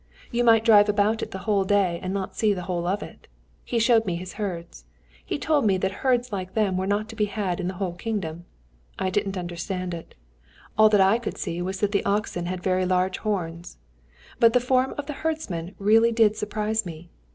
You might drive about it the whole day and not see the whole of it. He showed me his herds. He told me that herds like them were not to be had in the whole kingdom. I didn't understand it. All that I could see was that the oxen had very large horns. But the form of the herdsman really did surprise me.